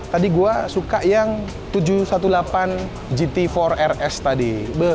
tadi gue suka yang tujuh ratus delapan belas gt empat rs tadi